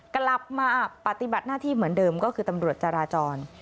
กลับมาปฏิบัติหน้าที่เหมือนเดิมก็คือตำรวจจราจร